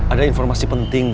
ada informasi penting